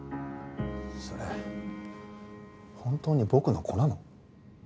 それ本当に僕の子なの？